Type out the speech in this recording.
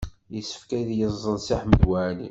Yessefk ad yeẓẓel Si Ḥmed Waɛli.